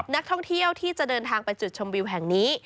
นักท่องเที่ยวที่จะเดินทางไปจุดชมวิวแห่งนี้